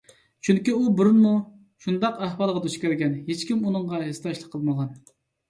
چۈنكى ئۇ بۇرۇنمۇ شۇنداق ئەھۋالغا دۇچ كەلگەن، ھېچكىم ئۇنىڭغا ھېسداشلىق قىلمىغان.